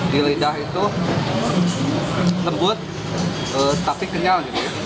di lidah itu terbut tapi kenyal